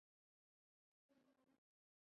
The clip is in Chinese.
它是一系列源自中东的肉类菜中的一种。